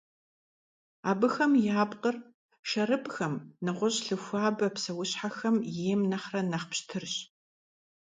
Абыхэм я пкъыр шэрыпӀхэм, нэгъуэщӀ лъы хуабэ псэущхьэхэм ейм нэхърэ нэхъ пщтырщ.